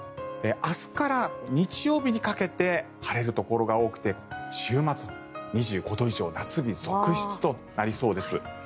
明日から日曜日にかけて晴れるところが多くて週末、２５度以上夏日続出となりそうです。